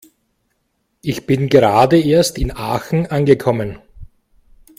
Ich bin gerade erst in Aachen angekommen